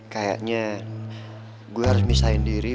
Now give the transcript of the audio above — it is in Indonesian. kayaknya gue harus misahin diri